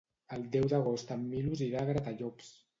El deu d'agost en Milos irà a Gratallops.